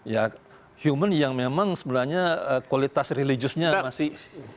ya human yang memang sebenarnya kualitas religiusnya masih